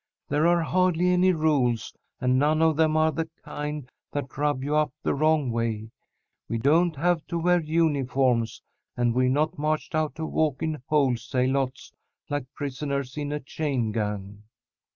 "There are hardly any rules, and none of them are the kind that rub you up the wrong way. We don't have to wear uniforms, and we're not marched out to walk in wholesale lots like prisoners in a chain gang."